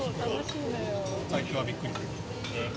最初はびっくりする。